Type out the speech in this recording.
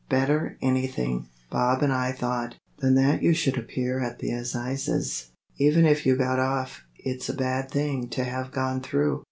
"Better anything, Bob and I thought, than that you should appear at the Assizes. Even if you got off it's a bad thing to have gone through."